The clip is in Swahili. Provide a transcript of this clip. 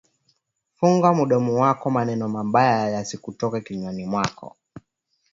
Funga mudomo wako maneno mabaya yasikutoke kinywani mwako